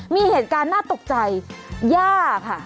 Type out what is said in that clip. มีเหตุการณ์น่าตกใจย่าค่ะ